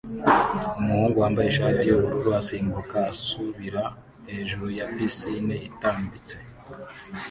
Umuhungu wambaye ishati yubururu asimbuka asubira hejuru ya pisine itambitse